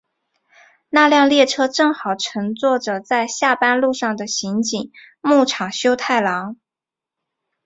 那辆列车正好乘坐着在下班路上的刑警木场修太郎。